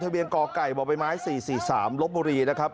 ทะเบียงก่อไก่บ่อยไม้๔๔๓รถบุรีนะครับ